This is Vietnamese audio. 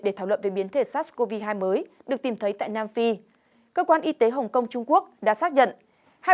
để thảo luận về biến thể sars cov hai mới được tìm thấy tại nam phi cơ quan y tế hồng kông trung quốc đã xác nhận